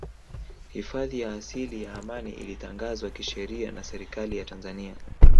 Hifadhi ya asili ya Amani ilitangazwa kisheria na Serikali ya Tanzania